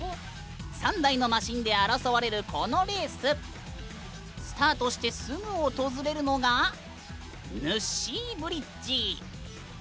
３台のマシーンで争われるこのレース。スタートしてすぐ訪れるのがぬっしーブリッジ。